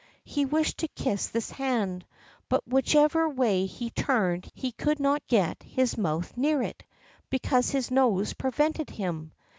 He wished to kiss this hand, but whichever way he turned he could not get his mouth near it, because his nose prevented him.